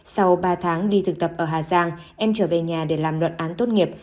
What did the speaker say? sau ba tháng đi thực tập ở hà giang em trở về nhà để làm luận án tốt nghiệp